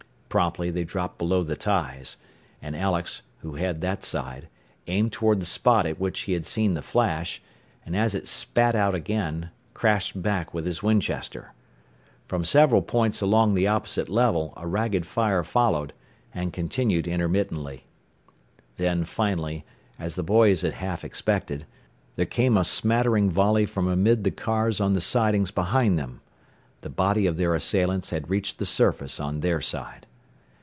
Promptly they dropped below the ties, and Alex, who had that side, aimed toward the spot at which he had seen the flash, and as it spat out again, crashed back with his Winchester. From several points along the opposite level a ragged fire followed, and continued intermittently. Then finally, as the boys had half expected, there came a smattering volley from amid the cars on the sidings behind them. The body of their assailants had reached the surface on their side.